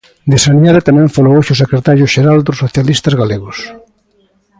De sanidade tamén falou hoxe o secretario xeral dos socialistas galegos.